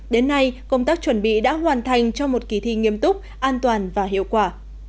đến nay công tác chuẩn bị đã hoàn thành cho một kỳ thi nghiêm túc an toàn và hiệu quả